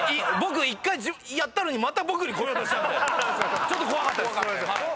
１回やったのにまた僕に来ようとしたんでちょっと怖かったです。